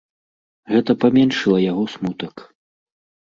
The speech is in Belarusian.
Гэта паменшыла яго смутак.